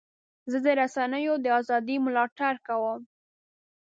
زه د رسنیو د ازادۍ ملاتړ کوم.